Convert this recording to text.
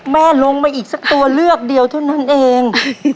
ลงมาอีกสักตัวเลือกเดียวเท่านั้นเอง